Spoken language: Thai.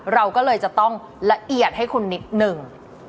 เราก็เลยจะต้องละเอียดให้คุณนิดหนึ่ง